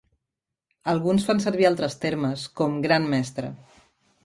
Alguns fan servir altres termes com "gran mestre".